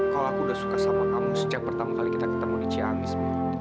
kalau aku udah suka sama kamu sejak pertama kali kita ketemu di ciamis